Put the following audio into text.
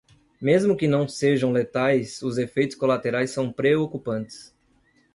Mesmo que não sejam letais, os efeitos colaterais são preocupantes.